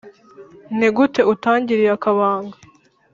ni gute utangiriye akabanga